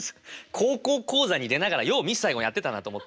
「高校講座」に出ながらよう「ミスサイゴン」やってたなと思って。